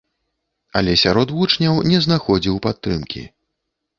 Але сярод вучняў не знаходзіў падтрымкі.